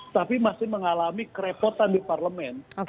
tapi masih mengalami kerepotan di parlemen